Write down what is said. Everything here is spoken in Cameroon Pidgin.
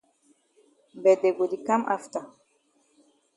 But dey go di kam afta.